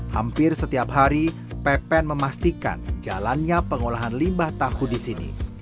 hampir setiap hari pepen memastikan jalannya pengolahan limbah tahu di sini